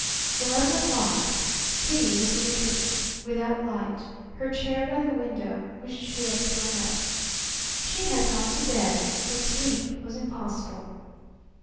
Eleven o'clock. Kitty was in the kitchen, without light, her chair by the window, which she had thrown up. She had gone to bed, but sleep was impossible.